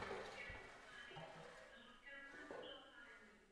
Nakonec ale funkci nezískal.